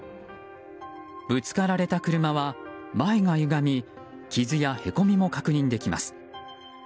ぶつかられた車は、前がゆがみ傷やへこみも確認できます。